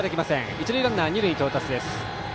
一塁ランナーは二塁に到達です。